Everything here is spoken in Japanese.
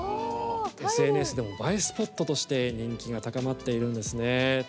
ＳＮＳでも映えスポットとして人気が高まっているんですね。